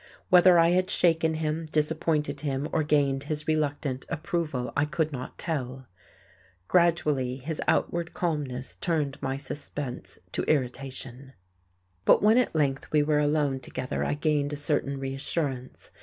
Whether I had shaken him, disappointed him, or gained his reluctant approval I could not tell. Gradually his outward calmness turned my suspense to irritation.... But when at length we were alone together, I gained a certain reassurance.